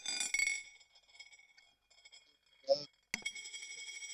Actualmente es consejero delegado de Omega Capital.